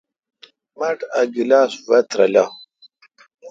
مٹھ ا گلاس وہ ترلہ۔